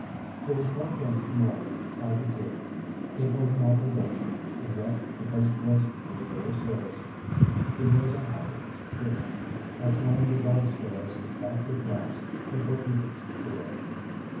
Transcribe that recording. There was one thing more I could do. It was an obligation, and yet, because it was in the way of service, it was a happiness too. I climbed the broad stairs and stopped at last before Edith's door.